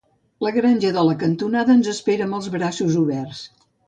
La granja de la cantonada ens espera amb els braços oberts.